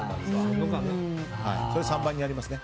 ３番にありますね。